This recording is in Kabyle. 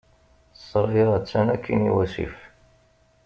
Ssṛaya attan akkin iwasif.